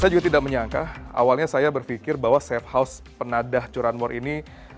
saya juga tidak menyangka awalnya saya berpikir bahwa safe house penadah curanmore ini